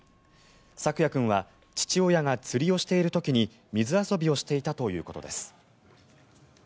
朔矢君は父親が釣りをしている時に水遊びをしていたということです。